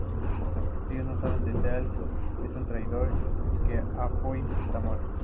Ellos no saben que Teal'c es un traidor, y que Apophis está muerto.